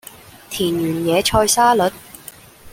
田園野菜沙律